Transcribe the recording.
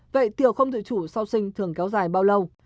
vậy tiểu không dự trù sau sinh thường kéo dài bao lâu